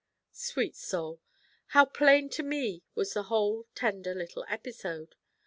Sweet soul! How plain to me was the whole tender little episode!